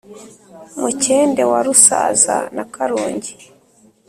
mukende wa rusaza na karongi